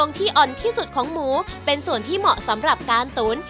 ที่อ่อนที่สุดของหมูเป็นส่วนที่เหมาะสำหรับการตุ๋น